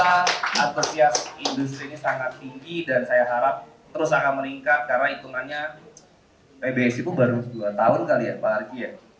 yang tertinggi dari empat kali penonton piala presiden kali ini adalah